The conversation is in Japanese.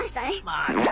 まあね。